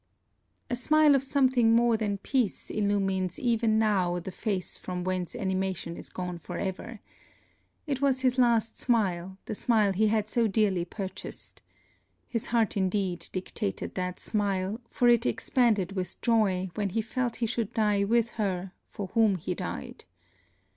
A smile of something more than peace illumines even now the face from whence animation is gone for ever. It was his last smile, the smile he had so dearly purchased. His heart indeed dictated that smile, for it expanded with joy when he felt he should die with her for whom he died.